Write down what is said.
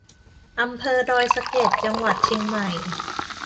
อำเภอดอยสะเก็ด จังหวัดเชียงใหม่